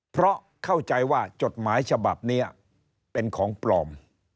เพราะเข้าใจว่าจดหมายฉบับนี้เป็นของปลอม